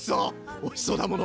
おいしそうだもの！